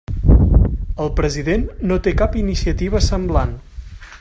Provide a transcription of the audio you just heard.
El president no té cap iniciativa semblant.